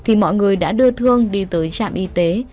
thì mọi người đã đưa thương đi tới trạm y tế